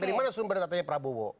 dari mana sumber datanya prabowo